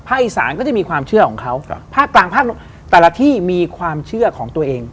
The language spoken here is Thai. อีสานก็จะมีความเชื่อของเขาภาคกลางภาคแต่ละที่มีความเชื่อของตัวเอง